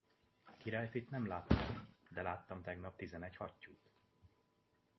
Királyfit nem láttam, de láttam tegnap tizenegy hattyút.